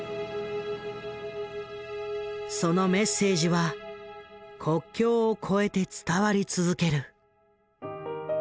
そのメッセージは国境を超えて伝わり続ける。